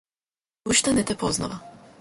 Уште не те познава.